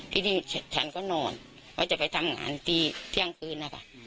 ทีนี้ฉันก็นอนเขาจะไปทำงานที่เที่ยงคืนนะคะ